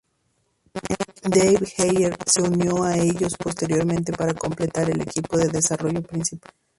Dave Heller se unió a ellos posteriormente para completar el equipo de desarrollo principal.